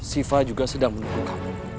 siva juga sedang menunggu kamu